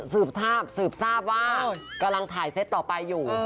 สืบทราบว่ากำลังถ่ายเซตต่อไปอยู่